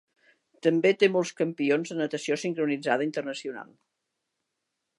També té molts campions de natació sincronitzada internacional.